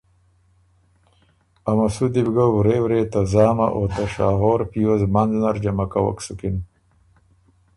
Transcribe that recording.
ا مسوُدی بو ګۀ ورې ورې ته زامه او شاهور پیوز منځ نر جمع کوک سُکِن